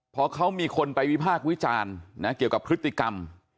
พอเขามีคนไปวิพากษ์วิจารณ์นะเกี่ยวกับพฤติกรรม